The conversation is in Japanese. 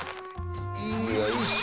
いよいしょ。